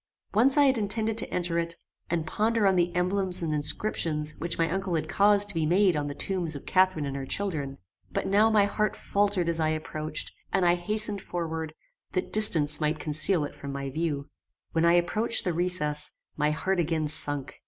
Once I had intended to enter it, and ponder on the emblems and inscriptions which my uncle had caused to be made on the tombs of Catharine and her children; but now my heart faltered as I approached, and I hastened forward, that distance might conceal it from my view. When I approached the recess, my heart again sunk.